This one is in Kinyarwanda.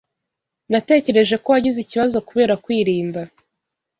Natekereje ko wagize ikibazo kubera kwirinda